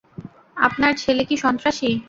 আপনার ছেলে কি সন্ত্রাসী?